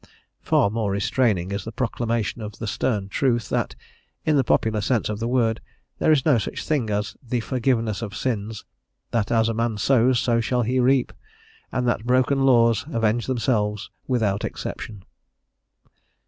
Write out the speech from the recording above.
Far more restraining is the proclamation of the stern truth that, in the popular sense of the word, there is no such thing as the "forgiveness of sins;" that as a man sows, so shall he reap, and that broken laws avenge themselves without exception.